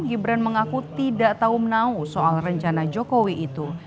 gibran mengaku tidak tahu menau soal rencana jokowi itu